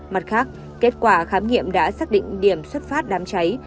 mặt khác kết quả khám nghiệm đã xác định điểm xuất phát đám cháy